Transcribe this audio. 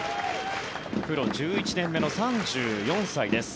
プロ１１年目の３４歳です。